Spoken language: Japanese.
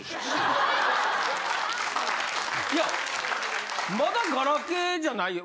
いやまだガラケーじゃないよ。